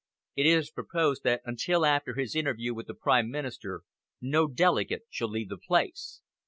It is proposed that until after his interview with the Prime Minister, no delegate shall leave the place.